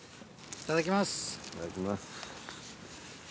いただきます。